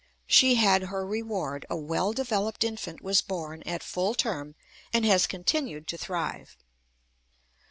She had her reward; a well developed infant was born at full term, and has continued to thrive.